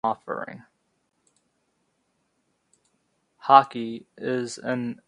Robb was born in London, to David Robb and Elsie Tilley.